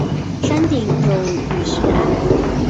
山顶有雨石庵。